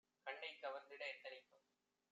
கண்ணைக் கவர்ந்திட எத்தனிக்கும்!